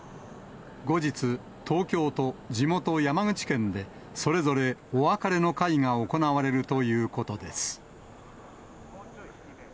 後日、東京と地元、山口県でそれぞれお別れの会が行われるということです。